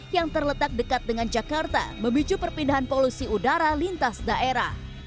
yang terletak dekat dengan jakarta memicu perpindahan polusi udara lintas daerah